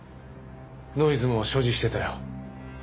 ノイズも所持していたよ。